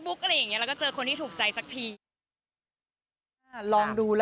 เผาจริง